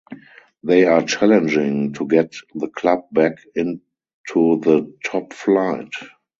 They are challenging to get the club back in to the top flight.